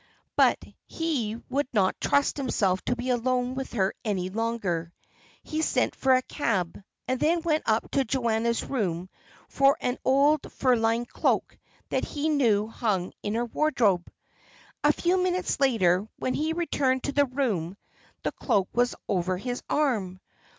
But he would not trust himself to be alone with her any longer. He sent for a cab, and then went up to Joanna's room for an old fur lined cloak, that he knew hung in her wardrobe. A few minutes later, when he returned to the room, the cloak was over his arm.